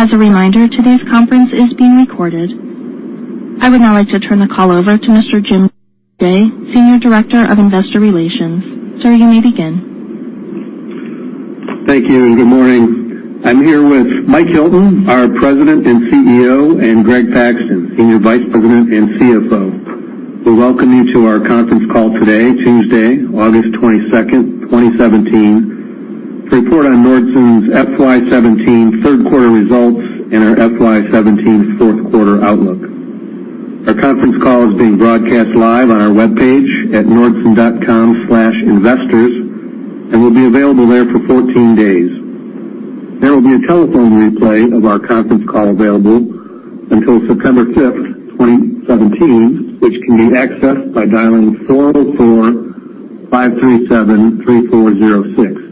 As a reminder, today's conference is being recorded. I would now like to turn the call over to Mr. James Jaye, Senior Director of Investor Relations. Sir, you may begin. Thank you and good morning. I'm here with Mike Hilton, our President and CEO, and Greg Thaxton, Senior Vice President and CFO. We welcome you to our conference call today, Tuesday, August 22nd, 2017, to report on Nordson's FY 2017 Q3 results and our FY 2017 Q4 outlook. Our conference call is being broadcast live on our webpage at nordson.com/investors and will be available there for 14 days. There will be a telephone replay of our conference call available until September 5th, 2017, which can be accessed by dialing 404-537-3406.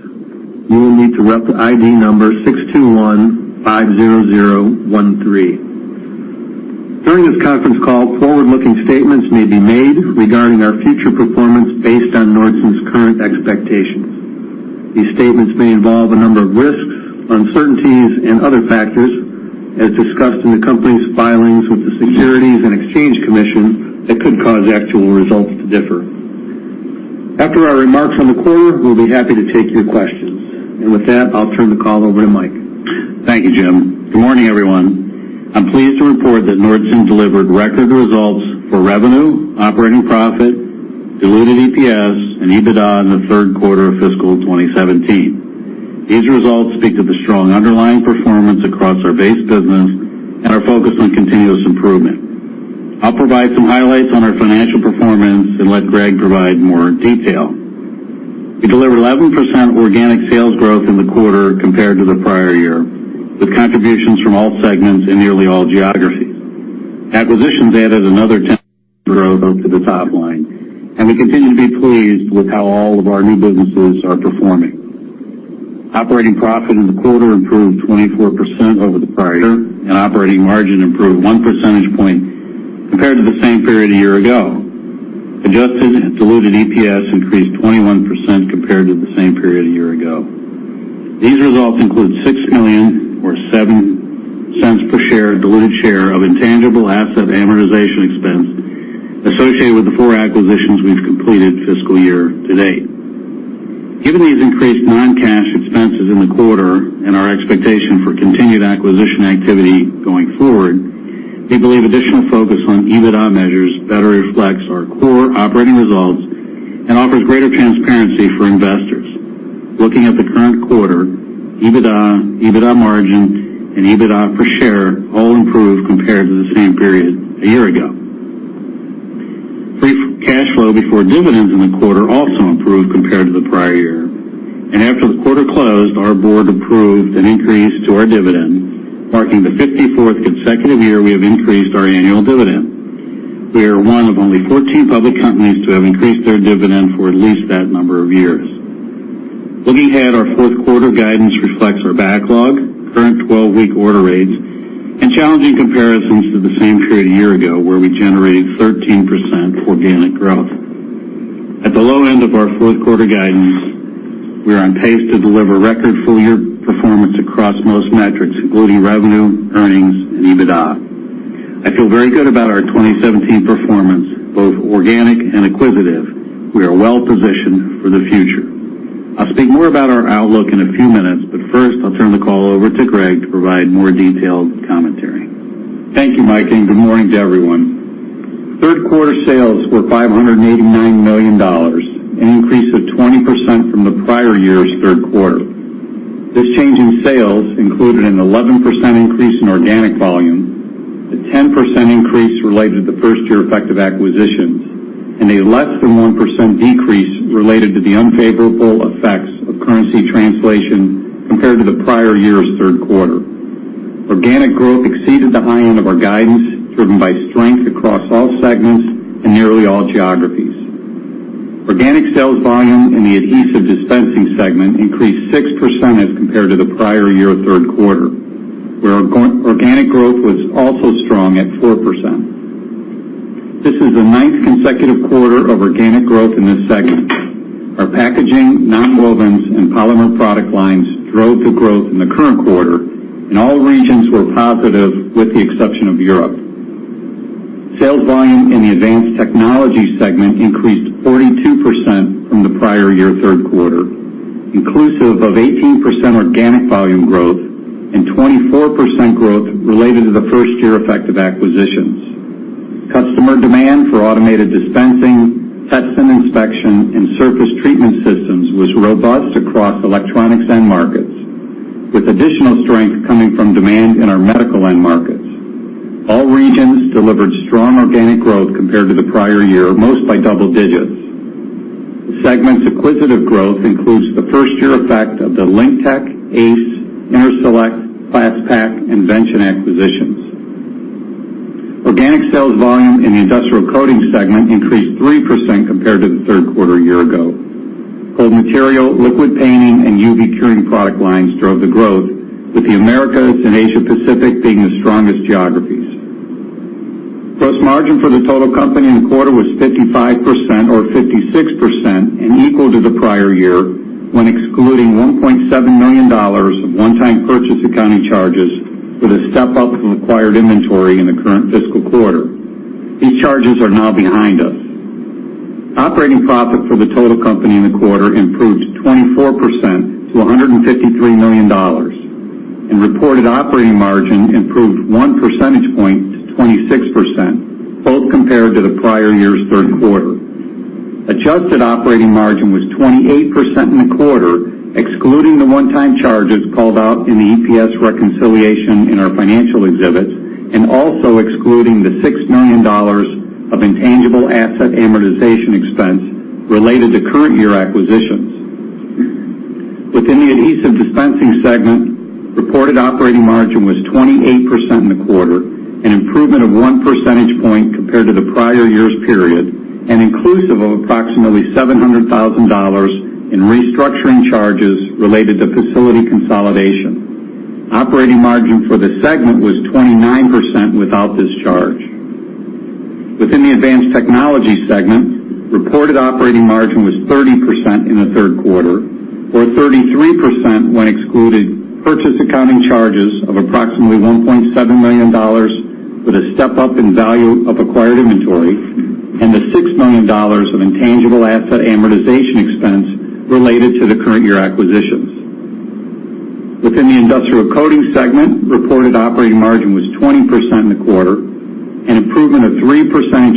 You will need to enter the ID number 62150013. During this conference call, forward-looking statements may be made regarding our future performance based on Nordson's current expectations. These statements may involve a number of risks, uncertainties, and other factors, as discussed in the company's filings with the Securities and Exchange Commission that could cause actual results to differ. After our remarks on the quarter, we'll be happy to take your questions. With that, I'll turn the call over to Mike. Thank you, Jim. Good morning, everyone. I'm pleased to report that Nordson delivered record results for revenue, operating profit, diluted EPS, and EBITDA in the Q3 of fiscal 2017. These results speak of the strong underlying performance across our base business and our focus on continuous improvement. I'll provide some highlights on our financial performance and let Greg provide more detail. We delivered 11% organic sales growth in the quarter compared to the prior year, with contributions from all segments in nearly all geographies. Acquisitions added another 10% growth to the top line, and we continue to be pleased with how all of our new businesses are performing. Operating profit in the quarter improved 24% over the prior, and operating margin improved 1% point compared to the same period a year ago. Adjusted and diluted EPS increased 21% compared to the same period a year ago. These results include $6 million or $0.7 per diluted share of intangible asset amortization expense associated with the four acquisitions we've completed fiscal year to date. Given these increased non-cash expenses in the quarter and our expectation for continued acquisition activity going forward, we believe additional focus on EBITDA measures better reflects our core operating results and offers greater transparency for investors. Looking at the current quarter, EBITDA margin, and EBITDA per share all improved compared to the same period a year ago. Free cash flow before dividends in the quarter also improved compared to the prior year. After the quarter closed, our board approved an increase to our dividend, marking the 54th consecutive year we have increased our annual dividend. We are one of only 14 public companies to have increased their dividend for at least that number of years. Looking ahead, our Q4 guidance reflects our backlog, current 12-week order rates, and challenging comparisons to the same period a year ago where we generated 13% organic growth. At the low end of our Q4 guidance, we are on pace to deliver record full year performance across most metrics, including revenue, earnings, and EBITDA. I feel very good about our 2017 performance, both organic and acquisitive. We are well-positioned for the future. I'll speak more about our outlook in a few minutes, but first, I'll turn the call over to Greg to provide more detailed commentary. Thank you, Mike, and good morning to everyone. Q3 sales were $589 million, an increase of 20% from the prior year's Q3. This change in sales included an 11% increase in organic volume, a 10% increase related to the first year effect of acquisitions, and a less than 1% decrease related to the unfavorable effects of currency translation compared to the prior year's Q3. Organic growth exceeded the high end of our guidance, driven by strength across all segments and nearly all geographies. Organic sales volume in the Adhesive Dispensing segment increased 6% as compared to the prior year Q3, where organic growth was also strong at 4%. This is the ninth consecutive quarter of organic growth in this segment. Our Packaging, Nonwovens, and polymer product lines drove the growth in the current quarter, and all regions were positive, with the exception of Europe. Sales volume in the Advanced Technology segment increased 42% from the prior year Q3, inclusive of 18% organic volume growth and 24% growth related to the first year effect of acquisitions. Customer demand for Automated Dispensing, Test & Inspection, and Surface Treatment systems was robust across electronics end markets, with additional strength coming from demand in our medical end markets. All regions delivered strong organic growth compared to the prior year, most by double digits. The segment's acquisitive growth includes the first year effect of the LinkTech, ACE, InterSelect, Plas-Pak, and Vention acquisitions. Organic sales volume in the Industrial Coatings segment increased 3% compared to the Q3 a year ago. Cold Material, Liquid Painting, and UV curing product lines drove the growth, with the Americas and Asia Pacific being the strongest geographies. Gross margin for the total company in the quarter was 55% or 56% and equal to the prior year when excluding $1.7 million of one-time purchase accounting charges with a step up from acquired inventory in the current fiscal quarter. These charges are now behind us. Operating profit for the total company in the quarter improved 24% to $153 million, and reported operating margin improved 1% point to 26%, both compared to the prior year's Q3. Adjusted operating margin was 28% in the quarter, excluding the one-time charges called out in the EPS reconciliation in our financial exhibits and also excluding the $6 million of intangible asset amortization expense related to current year acquisitions. Within the Adhesive Dispensing segment, reported operating margin was 28% in the quarter, an improvement of 1% point compared to the prior year's period, and inclusive of approximately $700,000 in restructuring charges related to facility consolidation. Operating margin for the segment was 29% without this charge. Within the Advanced Technology segment, reported operating margin was 30% in the Q3, or 33% when excluded purchase accounting charges of approximately $1.7 million with a step up in value of acquired inventory and the $6 million of intangible asset amortization expense related to the current year acquisitions. Within the Industrial Coating segment, reported operating margin was 20% in the quarter, an improvement of 3%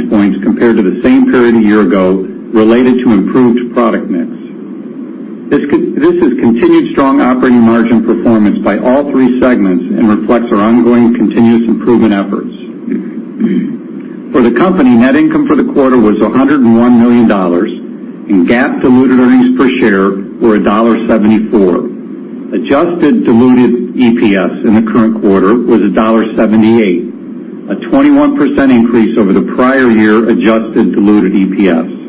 points compared to the same period a year ago related to improved product mix. This is continued strong operating margin performance by all three segments and reflects our ongoing continuous improvement efforts. For the company, net income for the quarter was $101 million, and GAAP diluted earnings per share were $1.74. Adjusted diluted EPS in the current quarter was $1.78, a 21% increase over the prior year adjusted diluted EPS.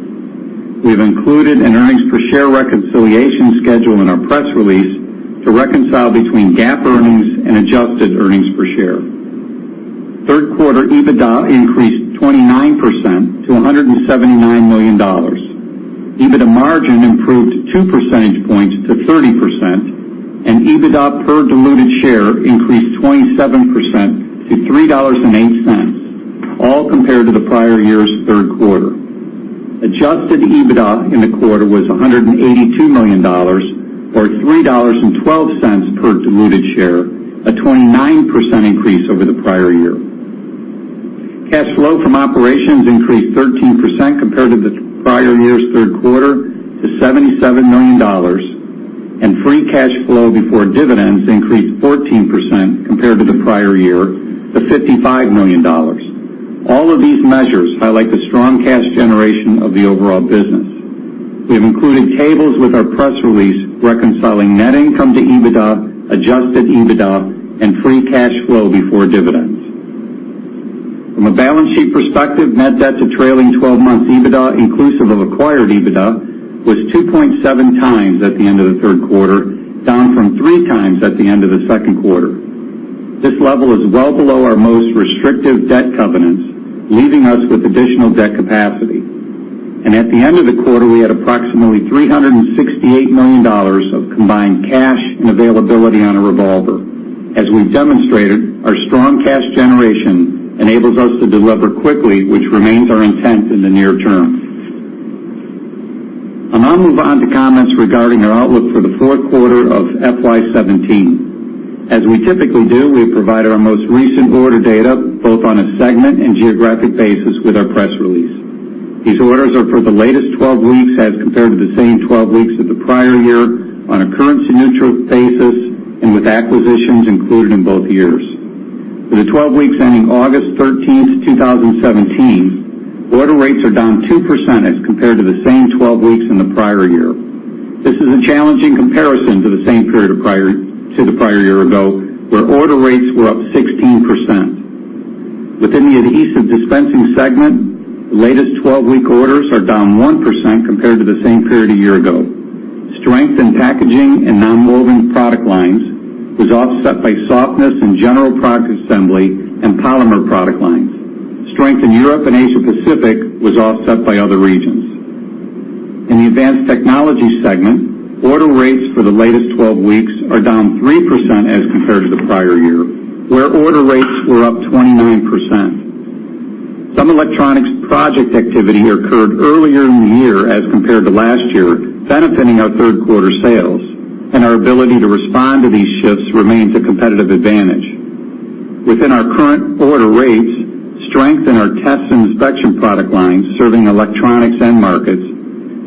We have included an earnings per share reconciliation schedule in our press release to reconcile between GAAP earnings and adjusted earnings per share. Q3 EBITDA increased 29% to $179 million. EBITDA margin improved 2% points to 30%, and EBITDA per diluted share increased 27% to $3.08, all compared to the prior year's Q3. Adjusted EBITDA in the quarter was $182 million, or $3.12 per diluted share, a 29% increase over the prior year. Cash flow from operations increased 13% compared to the prior year's Q3 to $77 million, and free cash flow before dividends increased 14% compared to the prior year to $55 million. All of these measures highlight the strong cash generation of the overall business. We have included tables with our press release reconciling net income to EBITDA, adjusted EBITDA, and free cash flow before dividends. From a balance sheet perspective, net debt to trailing 12 months EBITDA, inclusive of acquired EBITDA, was 2.7x at the end of the Q3, down from 3x at the end of the Q2. This level is well below our most restrictive debt covenants, leaving us with additional debt capacity. At the end of the quarter, we had approximately $368 million of combined cash and availability on a revolver. As we've demonstrated, our strong cash generation enables us to deliver quickly, which remains our intent in the near term. I'm gonna move on to comments regarding our outlook for the Q4 of FY 2017. As we typically do, we provide our most recent order data, both on a segment and geographic basis, with our press release. These orders are for the latest 12 weeks as compared to the same 12 weeks of the prior year on a currency-neutral basis and with acquisitions included in both years. For the 12 weeks ending August 13th, 2017, order rates are down 2% compared to the same 12 weeks in the prior year. This is a challenging comparison to the same period to the prior year ago, where order rates were up 16%. Within the Adhesive Dispensing segment, latest 12-week orders are down 1% compared to the same period a year ago. Strength in Packaging and Nonwovens product lines was offset by softness in general Product Assembly and polymer product lines. Strength in Europe and Asia Pacific was offset by other regions. In the Advanced Technology segment, order rates for the latest 12 weeks are down 3% as compared to the prior year, where order rates were up 29%. Some electronics project activity occurred earlier in the year as compared to last year, benefiting our Q3 sales, and our ability to respond to these shifts remains a competitive advantage. Within our current order rates, strength in our Test & Inspection product lines, serving electronics end markets,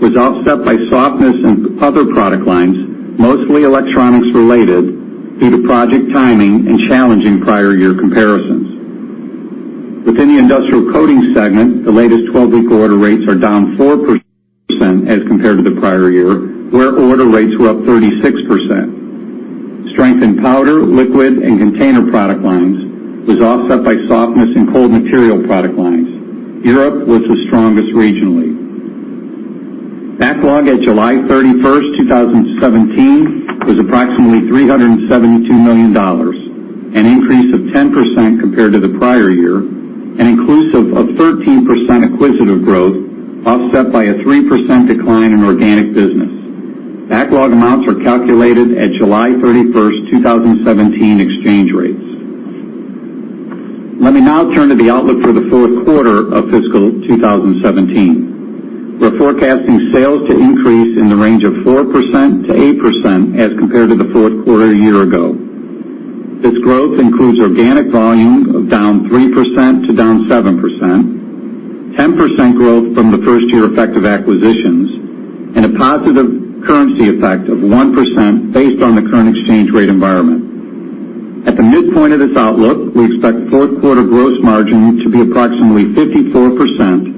was offset by softness in other product lines, mostly electronics related, due to project timing and challenging prior year comparisons. Within the Industrial Coating segment, the latest 12-week order rates are down 4% as compared to the prior year, where order rates were up 36%. Strength in Powder Coating, Liquid Painting, and Container Coating product lines was offset by softness in Cold Material product lines. Europe was the strongest regionally. Backlog at July 31st, 2017 was approximately $372 million, an increase of 10% compared to the prior year, and inclusive of 13% acquisitive growth, offset by a 3% decline in organic business. Backlog amounts are calculated at July 31st, 2017 exchange rates. Let me now turn to the outlook for the Q4 of fiscal 2017. We're forecasting sales to increase in the range of 4%-8% as compared to the Q4 a year ago. This growth includes organic volume of down 3% to down 7%, 10% growth from the first year effect of acquisitions, and a positive currency effect of 1% based on the current exchange rate environment. At the midpoint of this outlook, we expect Q4 gross margin to be approximately 54%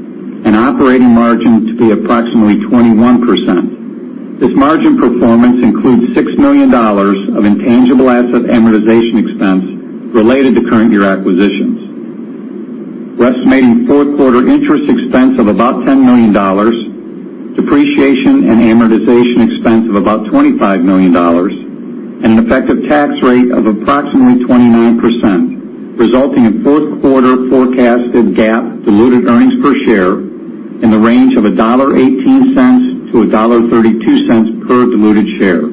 and operating margin to be approximately 21%. This margin performance includes $6 million of intangible asset amortization expense related to current year acquisitions. We're estimating Q4 interest expense of about $10 million, depreciation and amortization expense of about $25 million, and an effective tax rate of approximately 29%, resulting in Q4 forecasted GAAP diluted earnings per share in the range of $1.18-$1.32 per diluted share.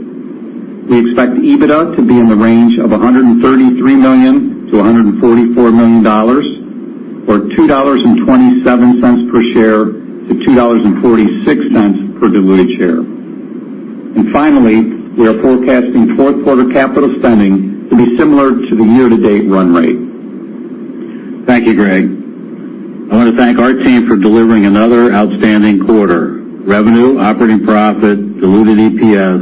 We expect EBITDA to be in the range of $133 million-$144 million, or $2.27-$2.46 per diluted share. Finally, we are forecasting Q4 capital spending to be similar to the year-to-date run rate. Thank you, Greg. I wanna thank our team for delivering another outstanding quarter. Revenue, operating profit, diluted EPS,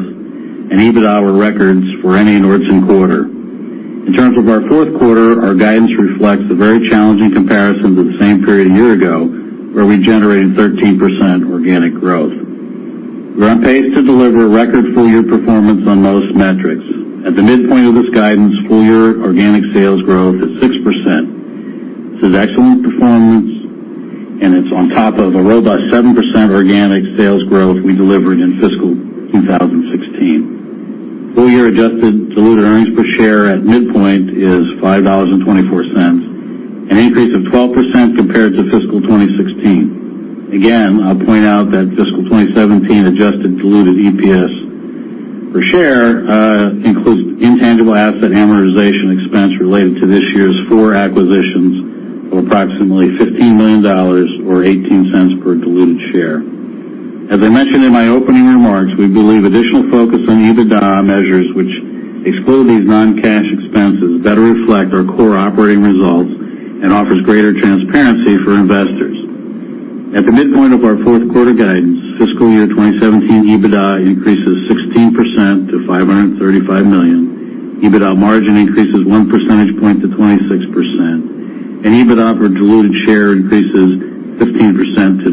and EBITDA were records for any Nordson quarter. In terms of our Q4, our guidance reflects the very challenging comparisons of the same period a year ago, where we generated 13% organic growth. We're on pace to deliver record full year performance on most metrics. At the midpoint of this guidance, full year organic sales growth is 6%. This is excellent performance, and it's on top of a robust 7% organic sales growth we delivered in fiscal 2016. Full year adjusted diluted earnings per share at midpoint is $5.24, an increase of 12% compared to fiscal 2016. Again, I'll point out that fiscal 2017 adjusted diluted EPS per share includes intangible asset amortization expense related to this year's four acquisitions of approximately $15 million or $0.18 per diluted share. As I mentioned in my opening remarks, we believe additional focus on EBITDA measures which exclude these non-cash expenses better reflect our core operating results and offers greater transparency for investors. At the midpoint of our Q4 guidance, fiscal year 2017 EBITDA increases 16% to $535 million. EBITDA margin increases one percentage point to 26%, and EBITDA per diluted share increases 15% to $9.19,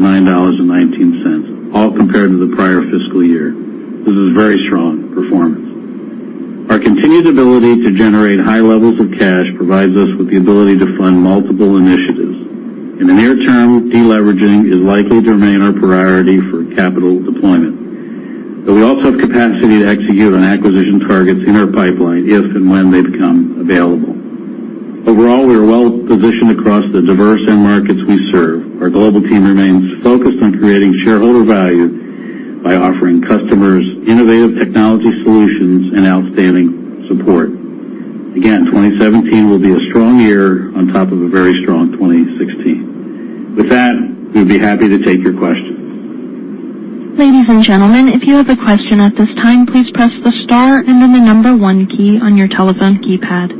all compared to the prior fiscal year. This is very strong performance. Our continued ability to generate high levels of cash provides us with the ability to fund multiple initiatives. In the near term, de-leveraging is likely to remain our priority for capital deployment. We also have capacity to execute on acquisition targets in our pipeline if and when they become available. Overall, we are well-positioned across the diverse end markets we serve. Our global team remains focused on creating shareholder value by offering customers innovative technology solutions and outstanding support. Again, 2017 will be a strong year on top of a very strong 2016. With that, we'd be happy to take your questions. Ladies and gentlemen, if you have a question at this time, please press the star and then the number one key on your telephone keypad.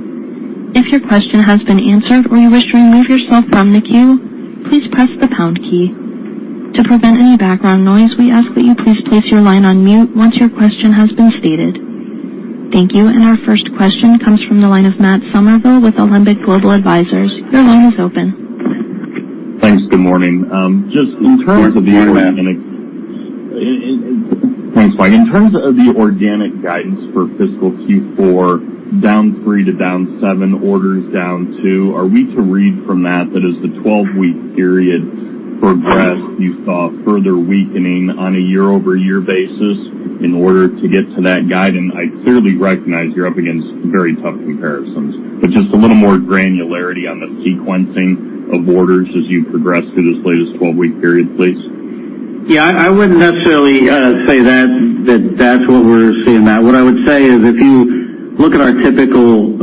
If your question has been answered or you wish to remove yourself from the queue, please press the pound key. To prevent any background noise, we ask that you please place your line on mute once your question has been stated. Thank you. Our first question comes from the line of Matt Summerville with Alembic Global Advisors. Your line is open. Thanks. Good morning. Just in terms of the Good morning, Matt. Thanks, Mike. In terms of the organic guidance for fiscal Q4, down 3% to down 7%, orders down 2%, are we to read from that that as the 12-week period progressed, you saw further weakening on a year-over-year basis in order to get to that guidance? I clearly recognize you're up against very tough comparisons, but just a little more granularity on the sequencing of orders as you progress through this latest 12-week period, please. Yeah, I wouldn't necessarily say that that's what we're seeing. Matt, what I would say is if you look at our typical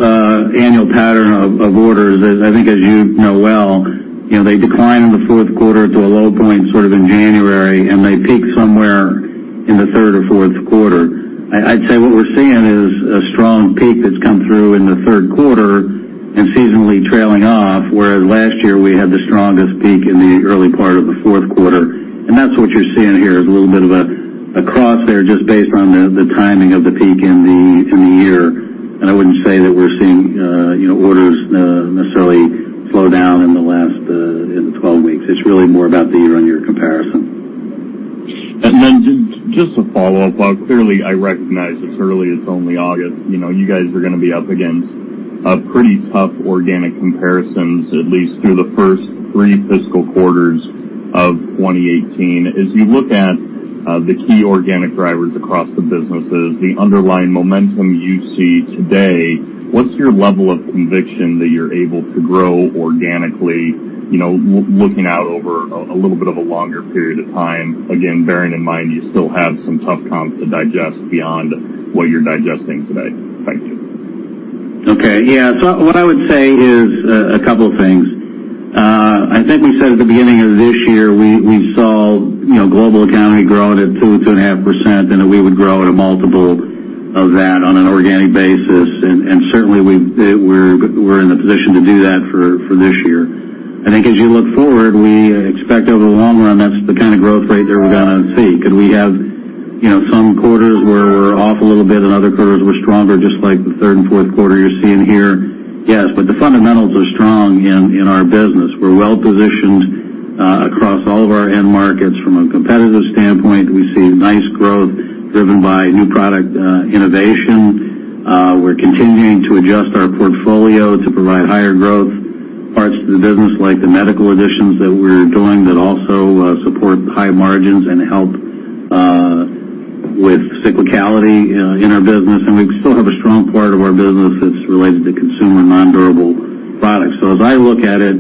annual pattern of orders, as I think as you know well, you know, they decline in the Q4 to a low point sort of in January, and they peak somewhere in the Q3 or Q4. I'd say what we're seeing is a strong peak that's come through in the Q3 and seasonally trailing off, whereas last year we had the strongest peak in the early part of the Q4. That's what you're seeing here, is a little bit of a cross there just based on the timing of the peak in the year. I wouldn't say that we're seeing, you know, orders, necessarily slow down in the last 12 weeks. It's really more about the year-on-year comparison. Just a follow-up. Clearly, I recognize it's early, it's only August. You know, you guys are gonna be up against A pretty tough organic comparisons, at least through the first three fiscal quarters of 2018. As you look at the key organic drivers across the businesses, the underlying momentum you see today, what's your level of conviction that you're able to grow organically, you know, looking out over a little bit of a longer period of time? Again, bearing in mind you still have some tough comps to digest beyond what you're digesting today. Thank you. What I would say is a couple things. I think we said at the beginning of this year, we saw, you know, global economy growing at 2%-2.5%, and that we would grow at a multiple of that on an organic basis. Certainly we're in a position to do that for this year. I think as you look forward, we expect over the long run, that's the kind of growth rate that we're gonna see. Could we have, you know, some quarters where we're off a little bit and other quarters we're stronger, just like the Q3 and Q4 you're seeing here? Yes. The fundamentals are strong in our business. We're well positioned across all of our end markets. From a competitive standpoint, we see nice growth driven by new product innovation. We're continuing to adjust our portfolio to provide higher growth parts to the business, like the medical additions that we're doing that also support high margins and help with cyclicality in our business. We still have a strong part of our business that's related to consumer nondurable products. As I look at it,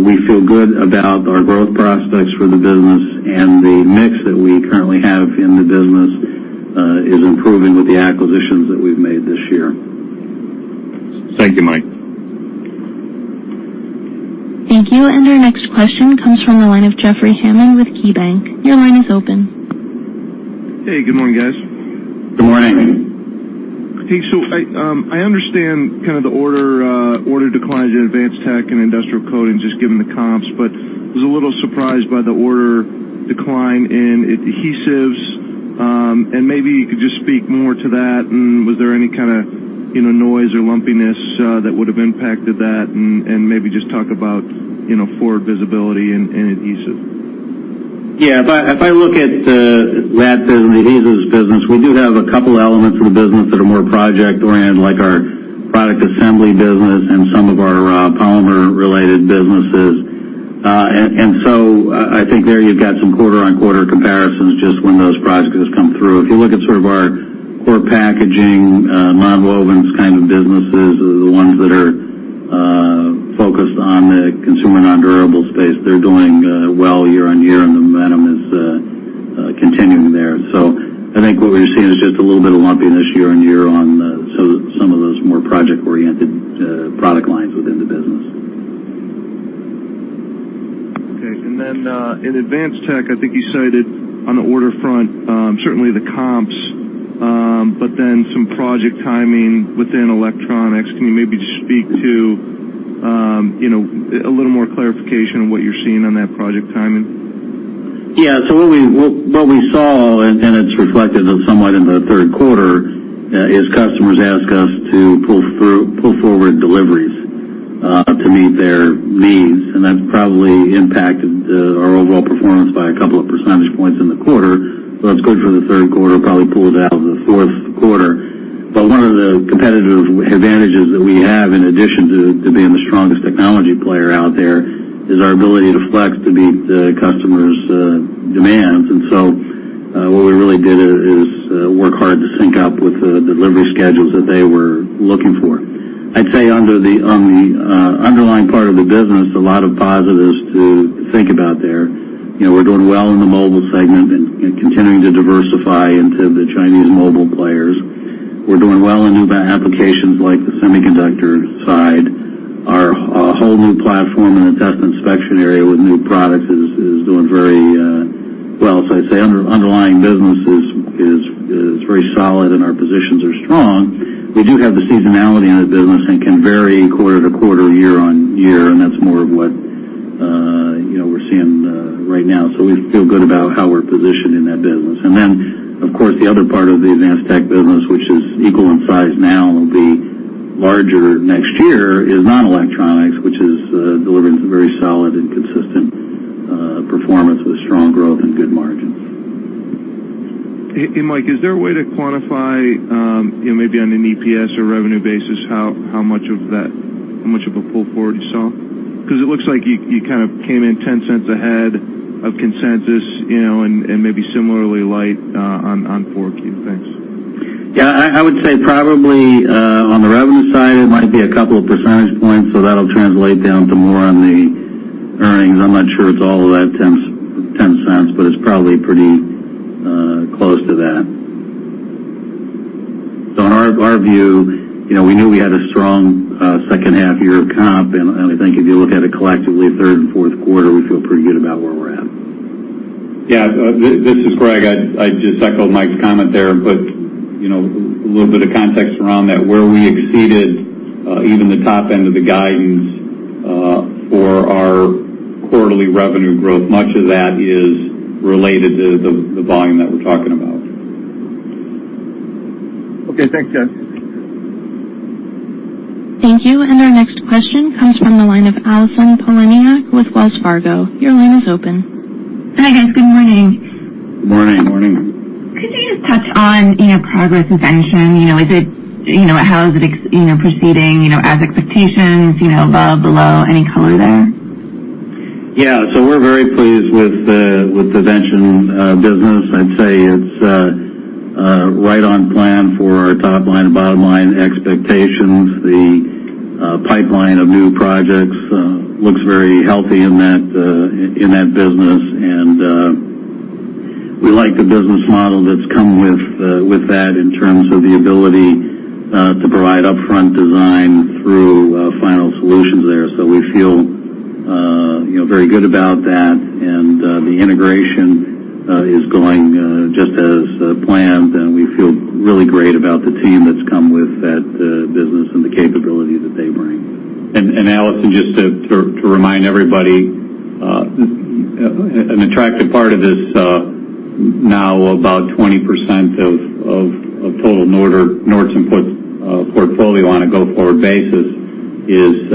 we feel good about our growth prospects for the business. The mix that we currently have in the business is improving with the acquisitions that we've made this year. Thank you, Mike. Thank you. Our next question comes from the line of Jeffrey Hammond with KeyBanc. Your line is open. Hey, good morning, guys. Good morning. Okay. I understand kind of the order declines in Advanced Tech and Industrial Coating, just given the comps, but was a little surprised by the order decline in adhesives. Maybe you could just speak more to that. Was there any kinda, you know, noise or lumpiness that would've impacted that? Maybe just talk about, you know, forward visibility in adhesive. Yeah. If I look at the AT business, the adhesives business, we do have a couple elements of the business that are more project-oriented, like our Product Assembly business and some of our polymer-related businesses. And so I think there you've got some quarter-on-quarter comparisons just when those projects come through. If you look at sort of our core Packaging, Nonwovens kind of businesses, the ones that are focused on the consumer nondurable space, they're doing well year-on-year, and the momentum is continuing there. I think what we've seen is just a little bit of lumpiness year-on-year on some of those more project-oriented product lines within the business. Okay. In Advanced Tech, I think you cited on the order front, certainly the comps, but then some project timing within electronics. Can you maybe just speak to, you know, a little more clarification on what you're seeing on that project timing? What we saw, it's reflected somewhat in the Q3, is customers ask us to pull forward deliveries to meet their needs. That's probably impacted our overall performance by a couple of percentage points in the quarter. What's good for the Q3 will probably pull it out of the Q4. One of the competitive advantages that we have, in addition to being the strongest technology player out there, is our ability to flex to meet the customers' demands. What we really did is work hard to sync up with the delivery schedules that they were looking for. I'd say on the underlying part of the business, a lot of positives to think about there. You know, we're doing well in the mobile segment and continuing to diversify into the Chinese mobile players. We're doing well in new applications like the semiconductor side. Our whole new platform in the Test & Inspection area with new products is doing very well. I'd say underlying business is very solid, and our positions are strong. We do have the seasonality in the business and can vary quarter-to-quarter, year-on-year, and that's more of what you know, we're seeing right now. We feel good about how we're positioned in that business. Of course, the other part of the Advanced Technology business, which is equal in size now and will be larger next year, is non-electronics, which is delivering some very solid and consistent performance with strong growth and good margins. Mike, is there a way to quantify, you know, maybe on an EPS or revenue basis how much of a pull forward you saw? 'Cause it looks like you kind of came in $0.10 ahead of consensus, you know, and maybe similarly light on four key things. Yeah. I would say probably on the revenue side, it might be a couple of percentage points, so that'll translate down to more on the earnings. I'm not sure it's all of that $0.10, but it's probably pretty close to that. In our view, you know, we knew we had a strong H2 year of comp. I think if you look at it collectively, third and Q4, we feel pretty good about where we're at. Yeah. This is Greg. I'd just echo Mike's comment there. You know, a little bit of context around that. Where we exceeded even the top end of the guidance for our quarterly revenue growth, much of that is related to the volume that we're talking about. Okay. Thanks, guys. Thank you. Our next question comes from the line of Allison Poliniak with Wells Fargo. Your line is open. Hi, guys. Good morning. Good morning. Morning. Could you just touch on, you know, progress with Vention? You know, is it, you know, how is it proceeding, you know, as expectations, you know, above, below? Any color there? Yeah. We're very pleased with the Vention business. I'd say it's right on plan for our top line and bottom line expectations. The pipeline of new projects looks very healthy in that business. We like the business model that's come with that in terms of the ability to provide upfront design through final solutions there. We feel you know very good about that. The integration is going just as planned, and we feel really great about the team that's come with that business and the capability that they bring. Allison, just to remind everybody, an attractive part of this, now about 20% of total Nordson portfolio on a go-forward basis is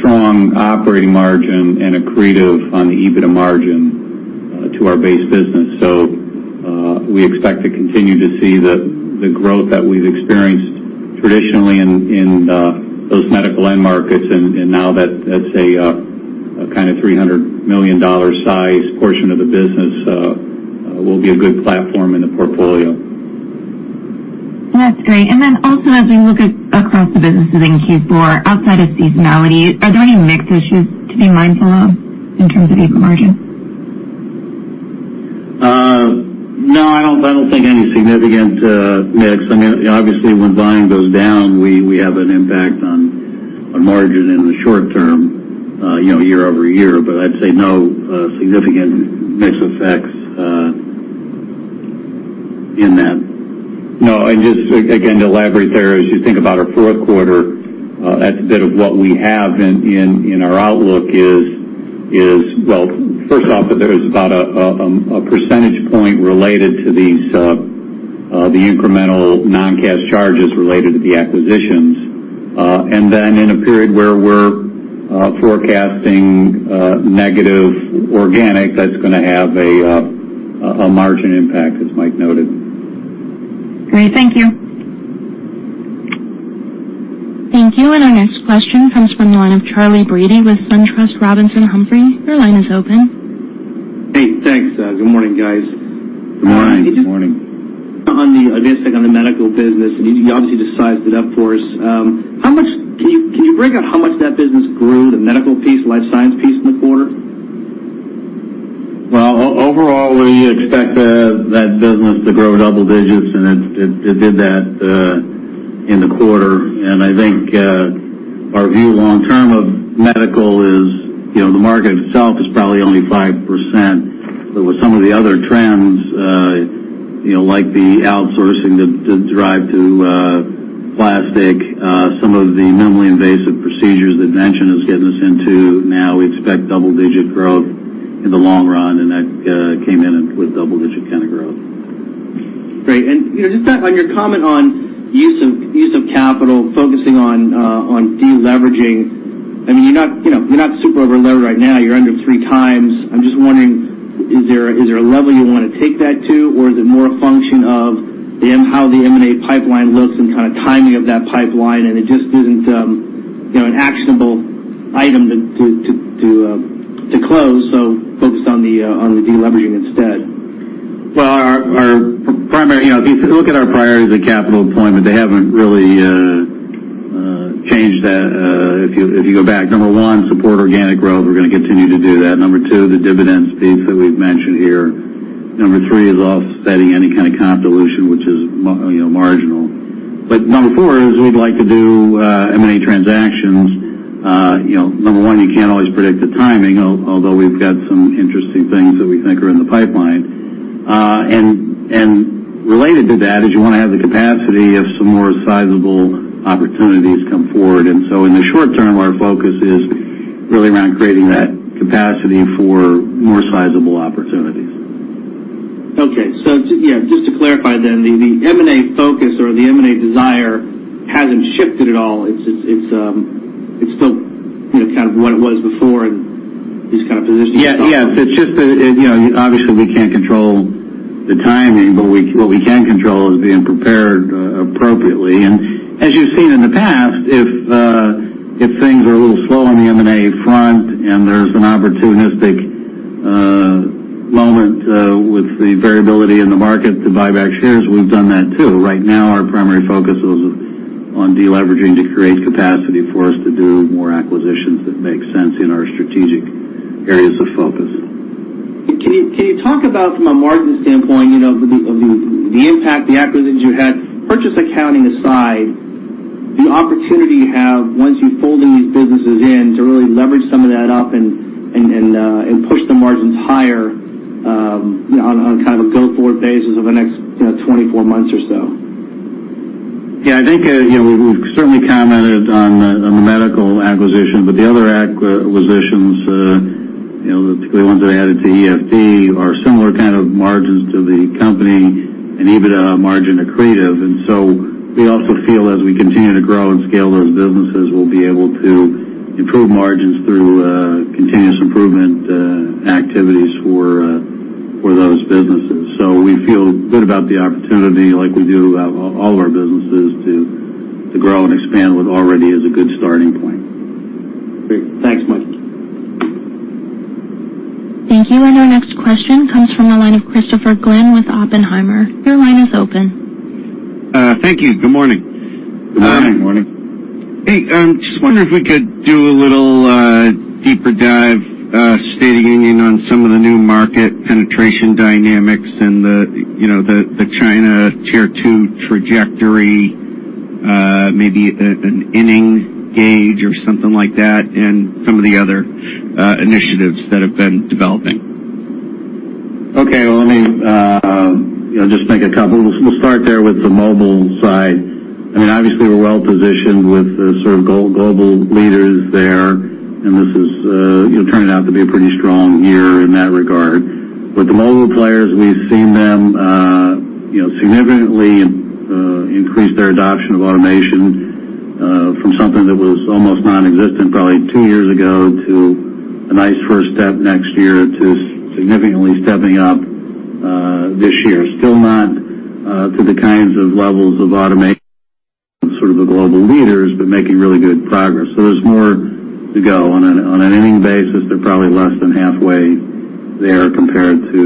strong operating margin and accretive on the EBITDA margin to our base business. We expect to continue to see the growth that we've experienced traditionally in those medical end markets and now that's a kind of $300 million size portion of the business will be a good platform in the portfolio. That's great. Also, as we look across the businesses in Q4, outside of seasonality, are there any mix issues to be mindful of in terms of EBITDA margin? No, I don't think any significant mix. I mean, obviously, when volume goes down, we have an impact on margin in the short term, you know, year-over-year. I'd say no significant mix effects in that. No. Just again, to elaborate there, as you think about our Q4, that's a bit of what we have in our outlook is, well, first off, that there is about a percentage point related to the incremental non-cash charges related to the acquisitions. In a period where we're forecasting negative organic, that's gonna have a margin impact, as Mike noted. Great. Thank you. Thank you. Our next question comes from the line of Charley Brady with SunTrust Robinson Humphrey. Your line is open. Hey, thanks. Good morning, guys. Good morning. Morning. Just on the, I guess, like on the medical business, you obviously just sized it up for us. How much, can you, can you break out how much that business grew, the medical piece, the life science piece in the quarter? Overall, we expect that business to grow double digits, and it did that in the quarter. I think our long-term view of medical is, you know, the market itself is probably only 5%. With some of the other trends, you know, like the outsourcing to drive to plastic, some of the minimally invasive procedures that Vention is getting us into now, we expect double-digit growth in the long run, and that came in with double-digit kind of growth. Great. You know, just on your comment on use of capital, focusing on deleveraging, I mean, you're not super over levered right now. You're under 3x. I'm just wondering, is there a level you wanna take that to, or is it more a function of the M&A, how the M&A pipeline looks and kind of timing of that pipeline, and it just isn't, you know, an actionable item to close, so focused on the deleveraging instead? Well, our primary, you know, if you look at our priorities of capital deployment, they haven't really changed that, if you go back. Number one, support organic growth. We're gonna continue to do that. Number two, the dividends piece that we've mentioned here. Number three is offsetting any kind of comp dilution, which is marginal. But number four is we'd like to do M&A transactions. You know, number one, you can't always predict the timing, although we've got some interesting things that we think are in the pipeline. And related to that is you wanna have the capacity if some more sizable opportunities come forward. In the short term, our focus is really around creating that capacity for more sizable opportunities. Okay. So too, yeah, just to clarify then, the M&A focus or the M&A desire hasn't shifted at all. It's still, you know, kind of what it was before and just kind of positioned itself. Yes. Yes. It's just that, you know, obviously, we can't control the timing, but we, what we can control is being prepared appropriately. As you've seen in the past, if things are a little slow on the M&A front and there's an opportunistic moment with the variability in the market to buy back shares, we've done that too. Right now, our primary focus is on deleveraging to create capacity for us to do more acquisitions that make sense in our strategic areas of focus. Can you talk about from a margin standpoint, you know, the impact the acquisitions you had, purchase accounting aside, the opportunity you have once you fold in these businesses into really leverage some of that up and push the margins higher, on kind of a go-forward basis over the next 24 months or so? Yeah. I think, you know, we've certainly commented on the medical acquisition, but the other acquisitions, you know, the ones that added to EBITDA are similar kind of margins to the company and EBITDA margin accretive. We also feel as we continue to grow and scale those businesses, we'll be able to improve margins through continuous improvement activities for those businesses. We feel good about the opportunity, like we do about all of our businesses to grow and expand what already is a good starting point. Great. Thanks much. Thank you. Our next question comes from the line of Christopher Glynn with Oppenheimer. Your line is open. Thank you. Good morning. Good morning. Hey, just wondering if we could do a little deeper dive, state of union on some of the new market penetration dynamics and the, you know, the China Tier 2 trajectory, maybe an inning gauge or something like that, and some of the other initiatives that have been developing. Okay, well, let me, you know, just make a couple. We'll start there with the mobile side. I mean, obviously, we're well positioned with the sort of global leaders there, and this is, you know, turning out to be a pretty strong year in that regard. With the mobile players, we've seen them, you know, significantly increase their adoption of automation, from something that was almost non-existent probably two years ago to a nice first step next year to significantly stepping up this year. Still not to the kinds of levels of automation of sort of the global leaders, but making really good progress. So there's more to go. On an inning basis, they're probably less than halfway there compared to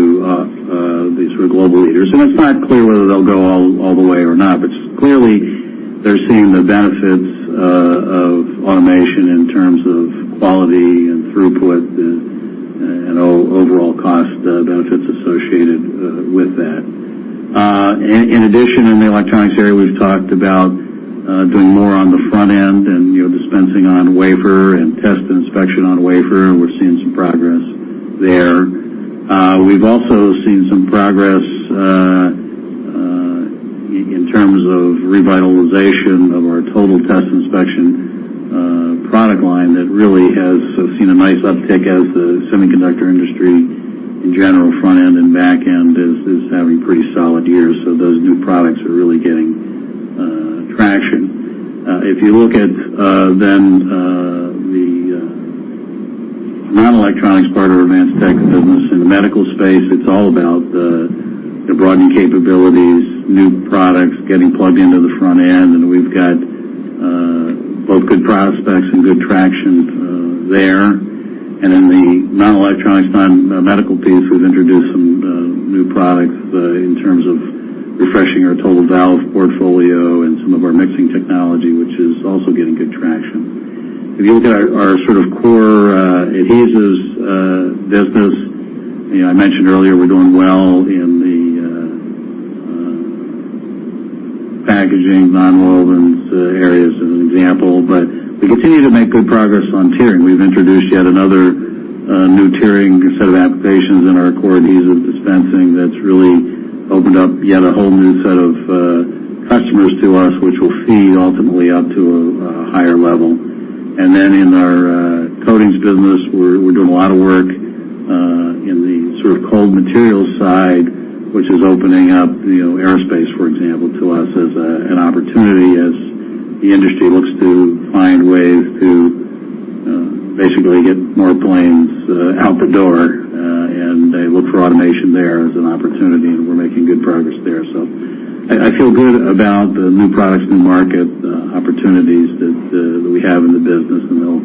the sort of global leaders. It's not clear whether they'll go all the way or not, but clearly they're seeing the benefits of automation in terms of quality and throughput and overall cost benefits associated with that. In addition, in the electronics area, we've talked about doing more on the front end and, you know, dispensing on wafer and test inspection on wafer, and we're seeing some progress there. We've also seen some progress in terms of revitalization of our total test inspection product line that really has seen a nice uptick as the semiconductor industry in general, front end and back end, is having pretty solid years. Those new products are really getting traction. If you look at the non-electronics part of our Advanced Technology business in the medical space, it's all about the broadening capabilities, new products getting plugged into the front end, and we've got both good prospects and good traction there. In the non-electronics, non-medical piece, we've introduced some new products in terms of refreshing our total valve portfolio and some of our mixing technology, which is also getting good traction. If you look at our sort of core adhesives business, you know, I mentioned earlier we're doing well in the packaging nonwovens areas as an example, but we continue to make good progress on tiering. We've introduced yet another new tiering set of applications in our core adhesive dispensing that's really opened up yet a whole new set of customers to us, which will feed ultimately up to a higher level. In our coatings business, we're doing a lot of work in the sort of cold materials side, which is opening up, you know, aerospace, for example, to us as an opportunity as the industry looks to find ways to basically get more planes out the door, and they look for automation there as an opportunity, and we're making good progress there. I feel good about the new products, new market opportunities that we have in the business, and it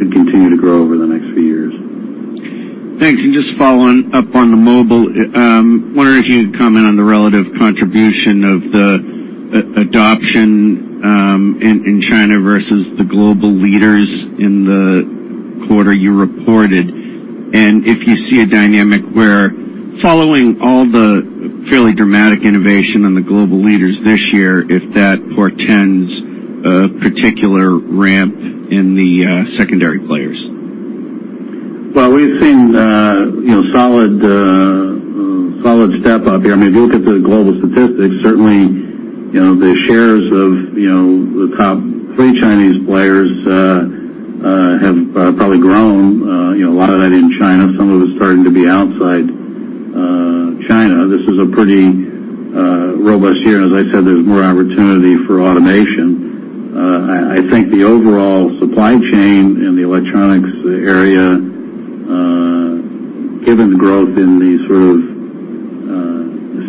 should continue to grow over the next few years. Thanks. Just following up on the mobile, wondering if you could comment on the relative contribution of the adoption in China versus the global leaders in the quarter you reported, and if you see a dynamic where following all the fairly dramatic innovation on the global leaders this year, if that portends a particular ramp in the secondary players. Well, we've seen, you know, solid step-up here. I mean, if you look at the global statistics, certainly, you know, the shares of, you know, the top three Chinese players have probably grown, you know, a lot of that in China, some of it starting to be outside China. This is a pretty robust year. As I said, there's more opportunity for automation. I think the overall supply chain in the electronics area, given the growth in the sort of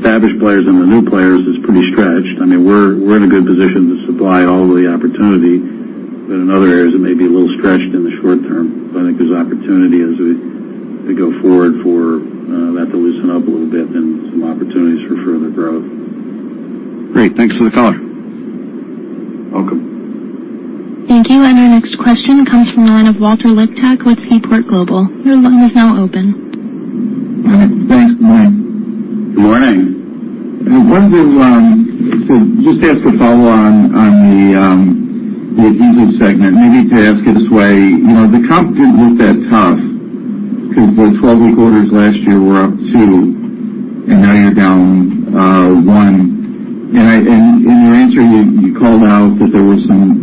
established players and the new players is pretty stretched. I mean, we're in a good position to supply all the opportunity, but in other areas it may be a little stretched in the short term. I think there's opportunity as we go forward for that to loosen up a little bit and some opportunities for further growth. Great. Thanks for the color. Welcome. Thank you. Our next question comes from the line of Walter Liptak with Seaport Global. Your line is now open. All right. Thanks. Good morning. Good morning. I wanted to just ask a follow-on on the adhesive segment, maybe to ask it this way. You know, the comp didn't look that tough because the 12 quarters last year were up 2%, and now you're down 1%. In your answer, you called out that there was. Now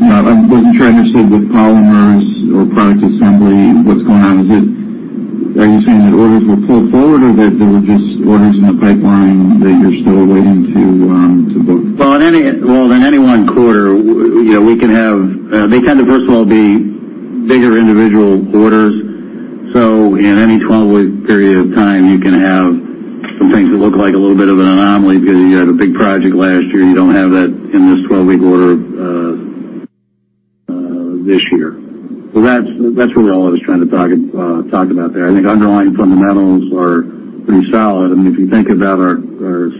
I wasn't sure I understood the polymers or product assembly. What's going on? Are you saying that orders were pulled forward or that there were just orders in the pipeline that you're still waiting to book? Well, in any one quarter, we, you know, we can have, they tend to, first of all, be bigger individual orders. In any 12-week period of time, you can have some things that look like a little bit of an anomaly because you had a big project last year, and you don't have that in this 12-week order, this year. That's what Walt was trying to talk about there. I think underlying fundamentals are pretty solid. I mean, if you think about our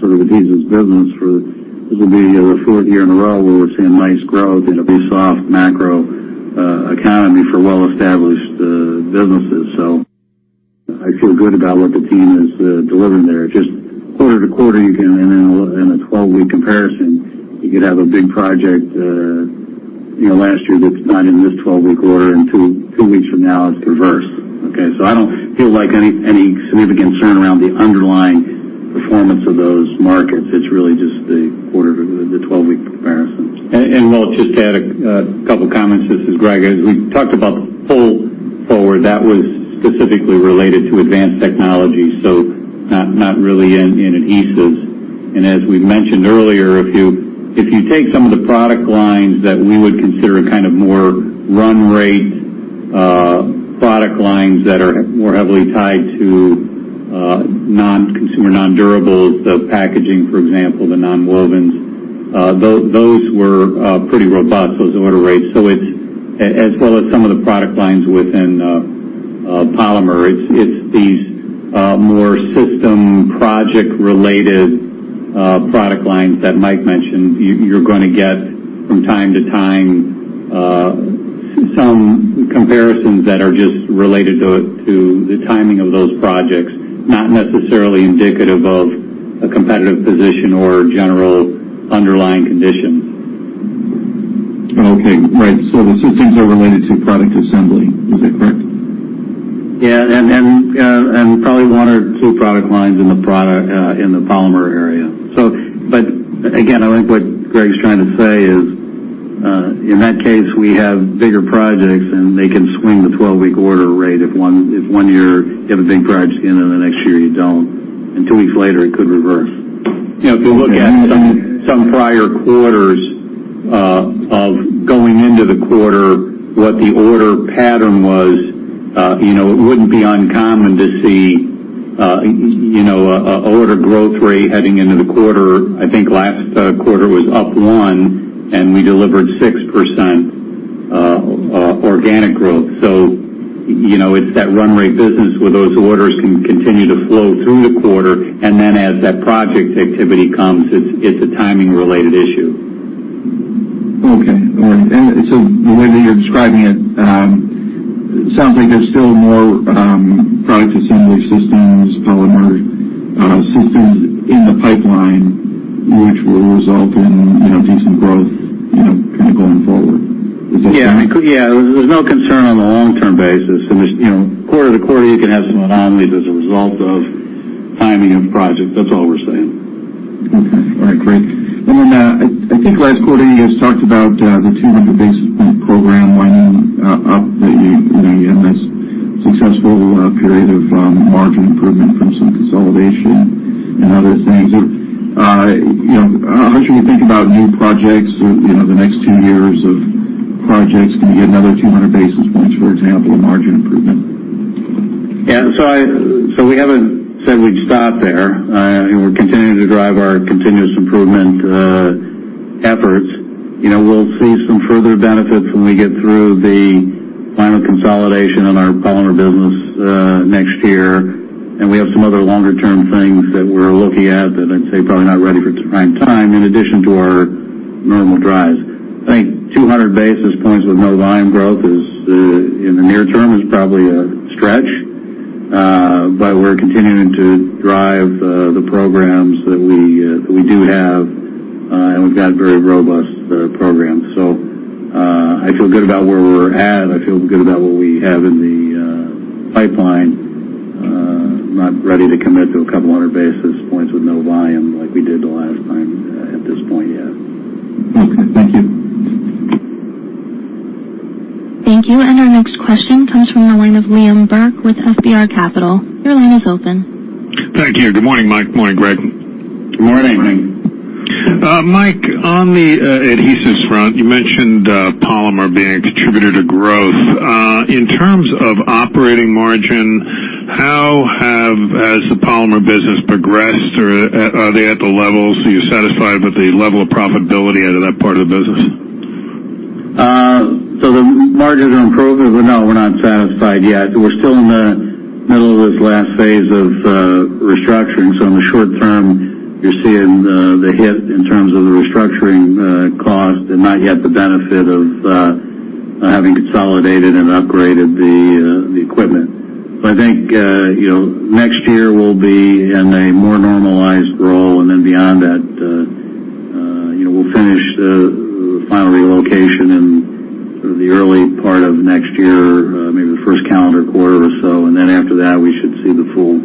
sort of adhesives business. This will be the fourth year in a row where we're seeing nice growth in a very soft macro economy for well-established businesses. I feel good about what the team has delivered there. Just quarter-to-quarter, you can in a 12-week comparison, you could have a big project, you know, last year that's not in this 12-week order, and two weeks from now, it's reversed. Okay? I don't feel like any significant concern around the underlying performance of those markets. It's really just the quarter to the 12-week comparisons. Walter, just to add a couple comments. This is Greg. As we talked about pull forward, that was specifically related to Advanced Technology, so not really in adhesives. As we mentioned earlier, if you take some of the product lines that we would consider kind of more run rate product lines that are more heavily tied to non-consumer, non-durables, the Packaging, for example, the Nonwovens, those were pretty robust, those order rates. It's as well as some of the product lines within polymer. It's these more system project-related product lines that Mike mentioned. You're gonna get from time to time some comparisons that are just related to the timing of those projects, not necessarily indicative of a competitive position or general underlying conditions. Okay. Right. The systems are related to product assembly. Is that correct? Yeah. Probably one or two product lines in the polymer area. Again, I think what Greg's trying to say is, in that case, we have bigger projects, and they can swing the 12-week order rate if one year you have a big project and then the next year you don't, and two weeks later, it could reverse. You know, if you look at some prior quarters of going into the quarter, what the order pattern was, you know, it wouldn't be uncommon to see a order growth rate heading into the quarter. I think last quarter was up 1%, and we delivered 6% organic growth. You know, it's that run rate business where those orders can continue to flow through the quarter, and then as that project activity comes, it's a timing related issue. The way that you're describing it sounds like there's still more Product Assembly systems, Polymer Processing Systems in the pipeline which will result in, you know, decent growth, you know, kind of going forward. Is that fair? Yeah. Yeah. There's no concern on the long-term basis. You know, quarter-to-quarter, you can have some anomalies as a result of timing of projects. That's all we're saying. Okay. All right. Great. I think last quarter you guys talked about the 200 basis point program winding up. You know, you had this successful period of margin improvement from some consolidation and other things. You know, as you think about new projects, you know, the next two years of projects, can you get another 200 basis points, for example, of margin improvement? Yeah. We haven't said we'd stop there. We're continuing to drive our continuous improvement efforts. You know, we'll see some further benefits when we get through the final consolidation on our polymer business next year. We have some other longer term things that we're looking at that I'd say probably not ready for prime time in addition to our normal drives. I think 200 basis points with no volume growth is in the near term probably a stretch. We're continuing to drive the programs that we do have, and we've got very robust programs. I feel good about where we're at. I feel good about what we have in the pipeline. Not ready to commit to 200 basis points with no volume like we did the last time, at this point yet. Okay. Thank you. Thank you. Our next question comes from the line of Liam Burke with [FBR Capital]. Your line is open. Thank you. Good morning, Mike. Good morning, Greg. Good morning. Morning. Mike, on the adhesives front, you mentioned polymer being a contributor to growth. In terms of operating margin, how has the polymer business progressed, or are they at the levels you're satisfied with the level of profitability out of that part of the business? The margins are improving. No, we're not satisfied yet. We're still in the middle of this last phase of restructuring. In the short term, you're seeing the hit in terms of the restructuring cost and not yet the benefit of having consolidated and upgraded the equipment. I think, you know, next year we'll be in a more normalized role. Then beyond that, you know, we'll finish the final relocation in the early part of next year, maybe the first calendar quarter or so, and then after that, we should see the full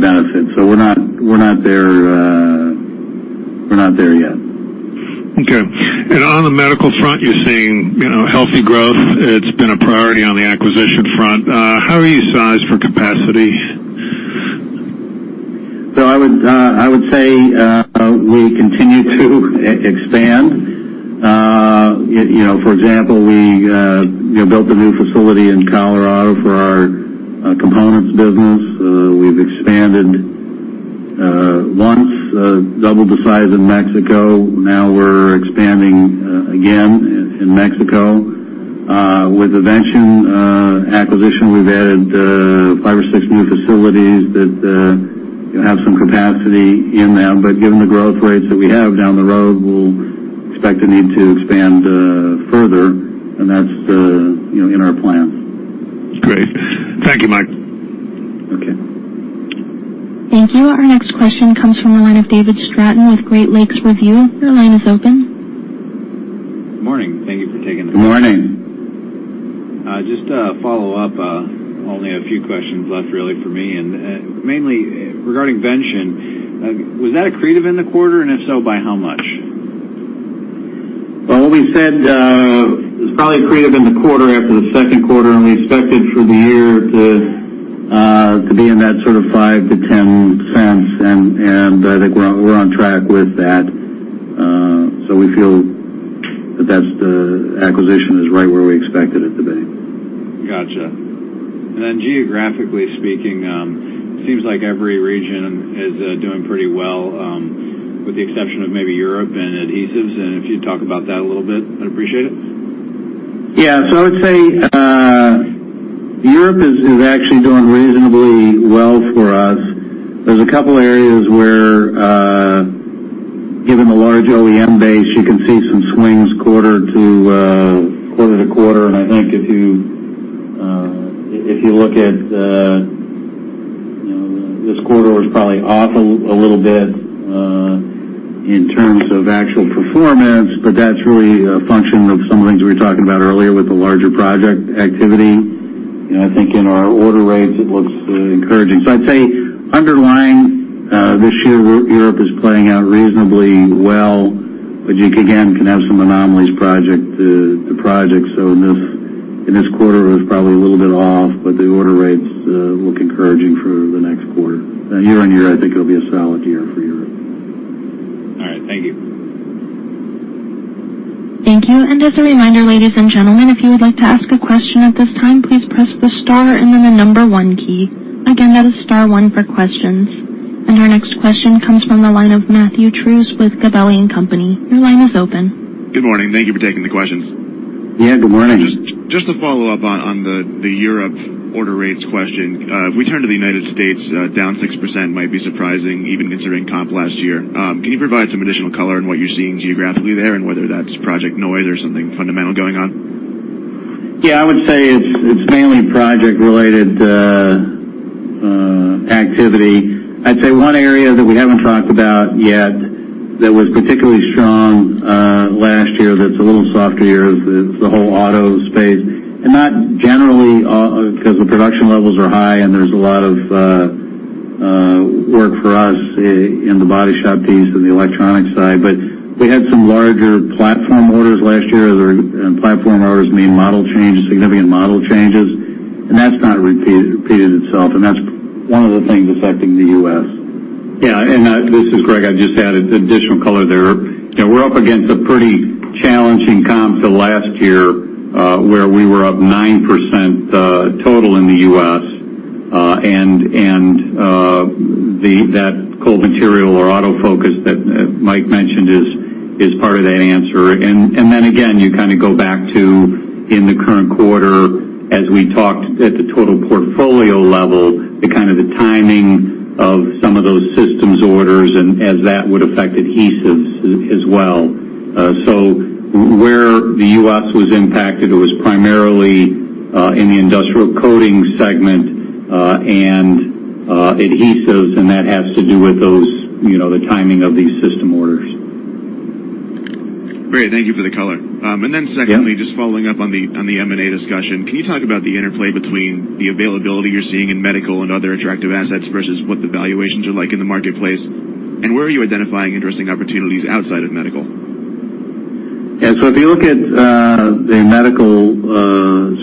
benefit. We're not there yet. Okay. On the medical front, you're seeing, you know, healthy growth. It's been a priority on the acquisition front. How are you sized for capacity? I would say we continue to expand. You know, for example, we, you know, built a new facility in Colorado for our components business. We've expanded once, doubled the size in Mexico. Now we're expanding again in Mexico. With the Vention acquisition, we've added five or six new facilities that you have some capacity in them. But given the growth rates that we have down the road, we'll expect to need to expand further, and that's, you know, in our plan. Great. Thank you, Mike. Okay. Thank you. Our next question comes from the line of David Stratton with Great Lakes Review. Your line is open. Morning. Thank you for taking the call. Morning. Just to follow up, only a few questions left really for me, and mainly regarding Vention. Was that accretive in the quarter? If so, by how much? Well, we said it was probably accretive in the quarter after the Q2, and we expect it for the year to be in that sort of $0.05-$0.10. I think we're on track with that. We feel that that's the acquisition is right where we expect it at the bank. Gotcha. Geographically speaking, seems like every region is doing pretty well, with the exception of maybe Europe and adhesives. If you'd talk about that a little bit, I'd appreciate it. Yeah. I would say Europe is actually doing reasonably well for us. There's a couple areas where, given the large OEM base, you can see some swings quarter-over-quarter. I think if you look at, you know, this quarter was probably off a little bit in terms of actual performance, but that's really a function of some of the things we were talking about earlier with the larger project activity. I think in our order rates, it looks encouraging. I'd say underlying this year, Europe is playing out reasonably well, but you again can have some anomalies project to project. In this quarter, it was probably a little bit off, but the order rates look encouraging for the next quarter. Year-over-year, I think it'll be a solid year for Europe. All right. Thank you. Thank you. As a reminder, ladies and gentlemen, if you would like to ask a question at this time, please press the star and then the number one key. Again, that is star one for questions. Our next question comes from the line of Matthew Trusz with Gabelli & Company. Your line is open. Good morning. Thank you for taking the questions. Yeah, good morning. Just to follow up on the Europe order rates question. We turn to the United States, down 6% might be surprising even considering comp last year. Can you provide some additional color on what you're seeing geographically there and whether that's project noise or something fundamental going on? Yeah, I would say it's mainly project related activity. I'd say one area that we haven't talked about yet that was particularly strong last year, that's a little softer here is the whole auto space. Not generally, 'cause the production levels are high, and there's a lot of work for us in the body shop piece and the electronic side. We had some larger platform orders last year. The platform orders mean model change, significant model changes, and that's not repeated itself, and that's one of the things affecting the U.S. Yeah, this is Greg. I'd just add additional color there. You know, we're up against a pretty challenging comp to last year, where we were up 9%, total in the U.S., and that Cold Material or auto focus that Mike mentioned is part of that answer. Then again, you kinda go back to in the current quarter as we talked at the total portfolio level, the kind of the timing of some of those systems orders and as that would affect adhesives as well. Where the U.S. was impacted, it was primarily in the Industrial Coating segment and adhesives, and that has to do with those, you know, the timing of these system orders. Great. Thank you for the color. Secondly. Yeah. Just following up on the M&A discussion. Can you talk about the interplay between the availability you're seeing in medical and other attractive assets versus what the valuations are like in the marketplace? Where are you identifying interesting opportunities outside of medical? Yeah. If you look at the medical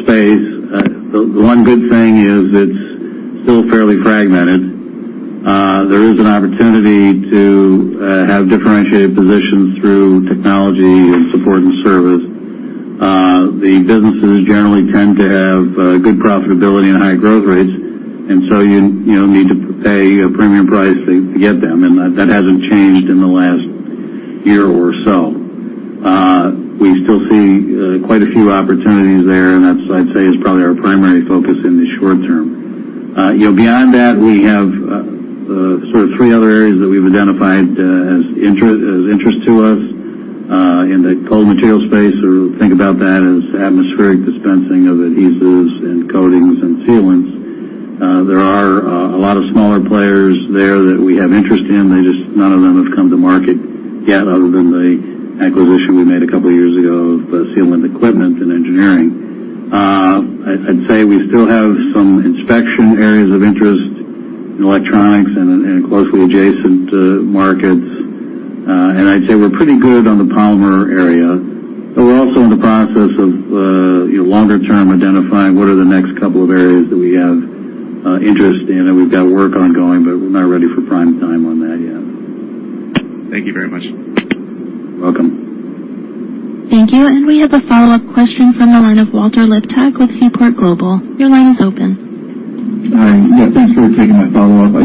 space, the one good thing is it's still fairly fragmented. There is an opportunity to have differentiated positions through technology and support and service. The businesses generally tend to have good profitability and high growth rates. You know, need to pay a premium price to get them. That hasn't changed in the last year or so. We still see quite a few opportunities there, and that's, I'd say, is probably our primary focus in the short term. You know, beyond that, we have sort of three other areas that we've identified as interests to us in the Cold Material space or think about that as atmospheric dispensing of adhesives and coatings and sealants. There are a lot of smaller players there that we have interest in. None of them have come to market yet other than the acquisition we made a couple years ago of Sealant Equipment & Engineering. I'd say we still have some inspection areas of interest in electronics and in closely adjacent markets. I'd say we're pretty good on the polymer area. We're also in the process of, you know, longer term identifying what are the next couple of areas that we have interest in and we've got work ongoing, but we're not ready for prime time on that yet. Thank you very much. You're welcome. Thank you. We have a follow-up question from the line of Walter Liptak with Seaport Global. Your line is open. Hi. Yeah, thanks for taking my follow-up.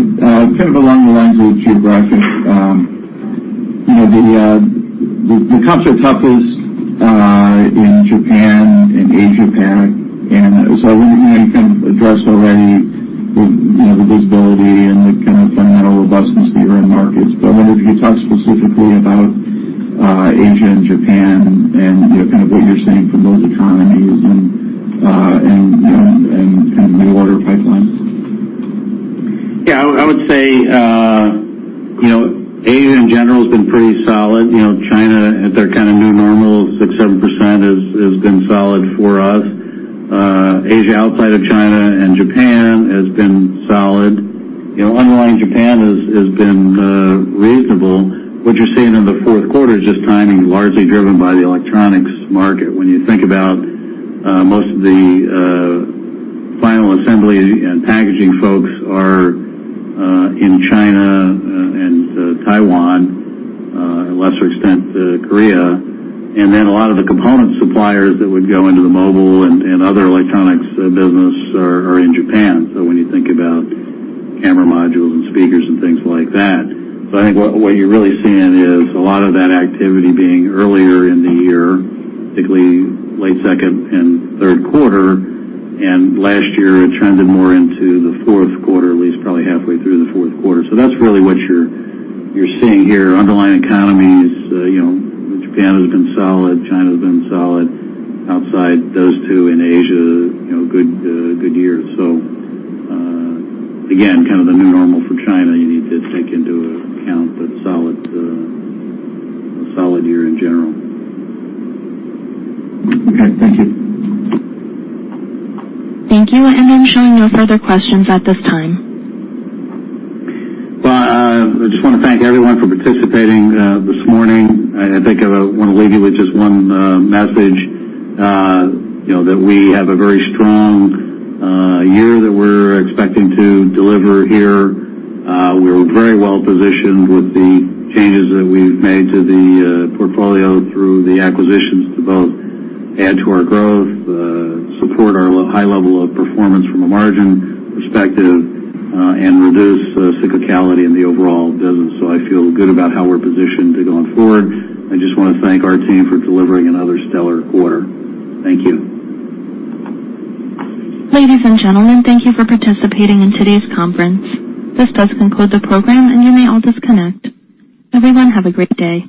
Kind of along the lines of the geographic, you know, the comps are toughest in Japan and Asia-Pac. I wonder, you know, you can address already the visibility and the kind of fundamental robustness that you're in markets. I wonder if you could talk specifically about Asia and Japan and, you know, kind of what you're seeing from those economies and new order pipelines. Yeah, I would say, you know, Asia in general has been pretty solid. You know, China, at their kinda new normal of 6%-7% has been solid for us. Asia outside of China and Japan has been solid. You know, underlying Japan has been reasonable. What you're seeing in the Q4 is just timing, largely driven by the electronics market. When you think about, most of the final assembly and packaging folks are in China and Taiwan, lesser extent, Korea. Then a lot of the component suppliers that would go into the mobile and other electronics business are in Japan. When you think about camera modules and speakers and things like that. I think what you're really seeing is a lot of that activity being earlier in the year, particularly late second and Q3. Last year, it trended more into the Q4, at least probably halfway through the Q4. That's really what you're seeing here. Underlying economies, you know, Japan has been solid, China has been solid. Outside those two in Asia, you know, good year. Again, kind of the new normal for China, you need to take into account that solid year in general. Okay. Thank you. Thank you. I'm showing no further questions at this time. Well, I just wanna thank everyone for participating this morning. I think I wanna leave you with just one message, you know, that we have a very strong year that we're expecting to deliver here. We're very well positioned with the changes that we've made to the portfolio through the acquisitions to both add to our growth, support our high level of performance from a margin perspective, and reduce cyclicality in the overall business. I feel good about how we're positioned to going forward. I just wanna thank our team for delivering another stellar quarter. Thank you. Ladies and gentlemen, thank you for participating in today's conference. This does conclude the program, and you may all disconnect. Everyone, have a great day.